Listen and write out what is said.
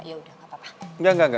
yaudah gak apa apa